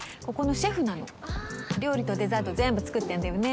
料理とデザート全部作ってんだよね。